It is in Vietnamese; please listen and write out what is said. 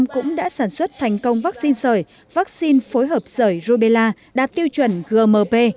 cũng đã sản xuất thành công vaccine sởi vaccine phối hợp sởi rubella đạt tiêu chuẩn gmp